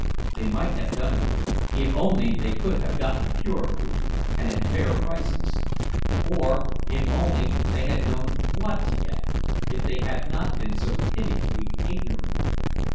They might have done it, if only they could have gotten pure food, and at fair prices; or if only they had known what to get—if they had not been so pitifully ignorant!